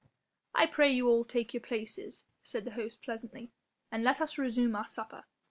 "I pray you all take your places," said the host pleasantly, "and let us resume our supper."